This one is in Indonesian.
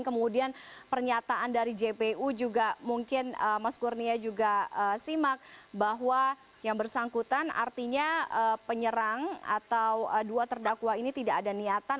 kemudian pernyataan dari jpu juga mungkin mas kurnia juga simak bahwa yang bersangkutan artinya penyerang atau dua terdakwa ini tidak ada niatan